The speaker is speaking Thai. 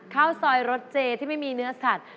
ข้าวซอยรสเจที่ไม่มีเนื้อสัตว์